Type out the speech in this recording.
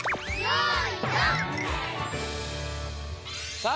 さあ